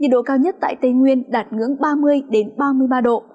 nhiệt độ cao nhất tại tây nguyên đạt ngưỡng ba mươi ba mươi ba độ